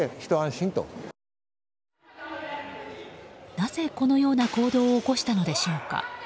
なぜ、このような行動を起こしたのでしょうか。